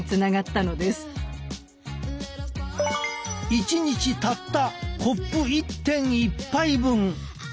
１日たったコップ１．１杯分！